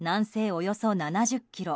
およそ７０ｋｍ